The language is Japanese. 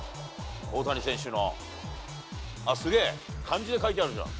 大谷選手の、すげぇ、漢字で書いてあるじゃん。